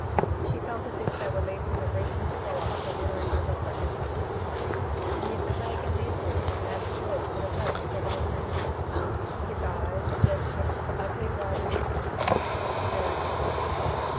She felt as if they were leaving the reek and squalor of the Wirree River for ever. And yet the vague uneasiness McNab's words had evoked hovered in her mind. His eyes, gestures, ugly writhing smile, kept recurring to her.